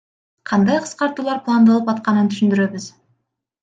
Кандай кыскартуулар пландалып атканын түшүндүрөбүз.